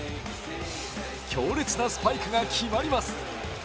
強烈なスパイクが決まります。